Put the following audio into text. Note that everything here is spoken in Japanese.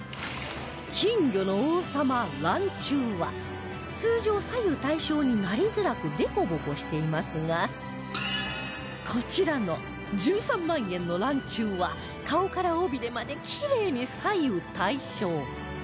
金魚の王様らんちゅうは通常左右対称になりづらくデコボコしていますがこちらの１３万円のらんちゅうは顔から尾びれまでキレイに左右対称